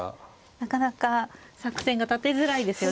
なかなか作戦が立てづらいですよね。